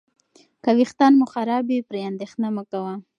که ویښتان مو خراب وي، پرې اندېښنه مه کوه.